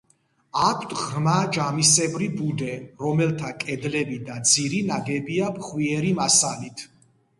აქვთ ღრმა ჯამისებრი ბუდე, რომელთა კედლები და ძირი ნაგებია ფხვიერი მასალით.